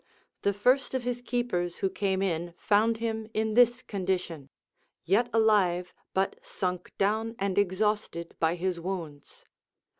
The first of his keepers who came in found him in this condition: yet alive, but sunk down and exhausted by his wounds.